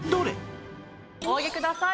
お上げください。